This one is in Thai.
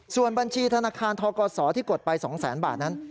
ส่วนบัญชีธนาคารทกศที่กดไป๒แสนบาทนั้น